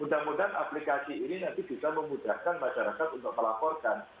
mudah mudahan aplikasi ini nanti bisa memudahkan masyarakat untuk melaporkan